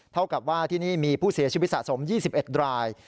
เท่ากับว่าที่นี่มีผู้เสียชีวิตสะสม๒๑ราย